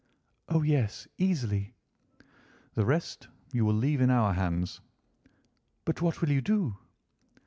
"Oh, yes, easily." "The rest you will leave in our hands." "But what will you do?"